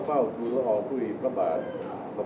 สวัสดีครับสวัสดีครับสวัสดีครับ